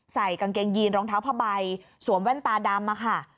ใส่กางเกงยีนรองเท้าผ้าใบสวมแว่นตาดำค่ะ